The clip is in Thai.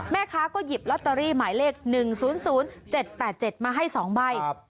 แม่ค้าก็หยิบลอตเตอรี่หมายเลข๑๐๐๗๘๗มาให้๒ใบ